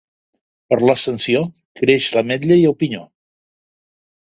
Per l'Ascensió creix l'ametlla i el pinyó.